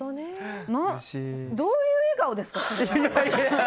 どういう笑顔ですか、それは。